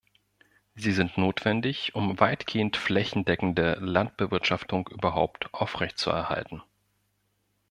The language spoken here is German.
Sie sind notwendig, um weitgehend flächendeckende Landbewirtschaftung überhaupt aufrechtzuerhalten.